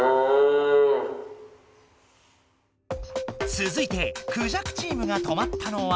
つづいてクジャクチームが止まったのは？